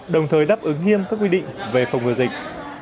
đồng thời đáp ứng nghiêm các quy định về phòng ngừa dịch